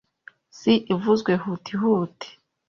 si ivuzwe huti huti